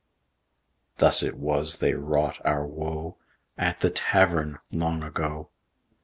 Thus it was they wrought our woe At the Tavern long ago.